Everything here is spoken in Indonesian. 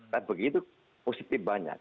tapi begitu positif banyak